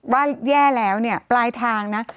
ว่าแย่แล้วเนี่ยปลายทางนะ